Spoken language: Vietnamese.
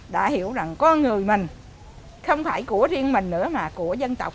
đã hiểu rằng con người mình không phải của riêng mình nữa mà của dân tộc